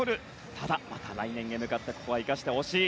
ただ、また来年へ向かってここは生かしてほしい。